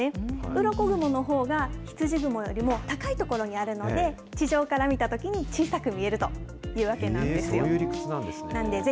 うろこ雲のほうが、羊雲よりも高い所にあるので、地上から見たときに小さく見えるというわけなんそういう理屈なんですね。